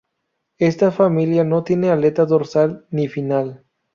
Esta familia no tienen aleta dorsal ni final.